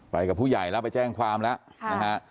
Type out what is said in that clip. ไปกับผู้ใหญ่แล้วไปแจ้งความแล้วนะฮะ